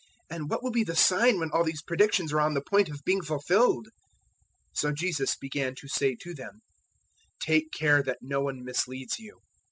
and what will be the sign when all these predictions are on the point of being fulfilled?" 013:005 So Jesus began to say to them: "Take care that no one misleads you.